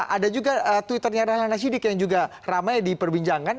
ada juga twitternya rahlana sidik yang juga ramai diperbincangkan